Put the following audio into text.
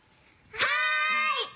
はい！